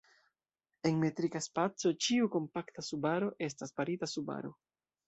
En metrika spaco, ĉiu kompakta subaro estas barita subaro.